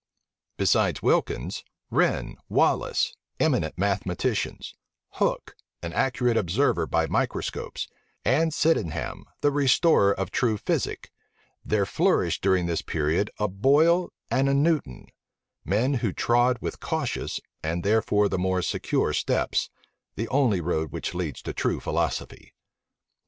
Besides Wilkins, Wren, Wallis, eminent mathematicians, Hooke, an accurate observer by microscopes, and Sydenham, the restorer of true physic, there flourished during this period a Boyle and a Newton; men who trod with cautious, and therefore the more secure steps, the only road which leads to true philosophy.